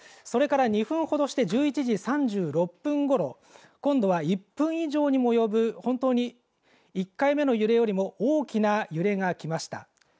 それから２分ほどして１１時３６分ごろ今度は１分以上にも及ぶ本当に１回目の揺れよりも大きな揺れが来ました。